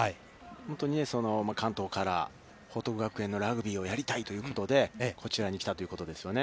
本当に関東から報徳学園のラグビーをやりたいということでこちらに来たということですよね。